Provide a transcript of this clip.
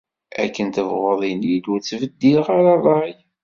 Akken tebɣuḍ ini-d, ur ttbeddileɣ ara rray.